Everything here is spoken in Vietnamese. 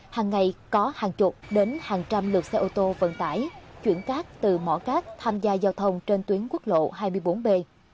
hàng ngày có hàng chục đến hàng trăm lượt xe ô tô vận tải chuyển cát từ mỏ cát tham gia giao thông trên tuyến quốc lộ hai mươi bốn b